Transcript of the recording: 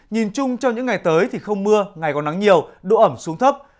nhìn chung trong những ngày tới thì không mưa ngày còn nắng nhiều độ ẩm xuống thấp